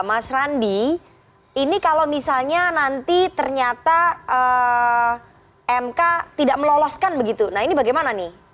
mas randi ini kalau misalnya nanti ternyata mk tidak meloloskan begitu nah ini bagaimana nih